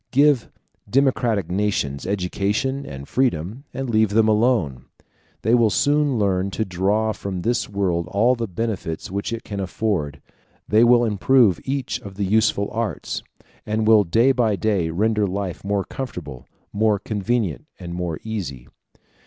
Give democratic nations education and freedom, and leave them alone. They will soon learn to draw from this world all the benefits which it can afford; they will improve each of the useful arts, and will day by day render life more comfortable, more convenient, and more easy.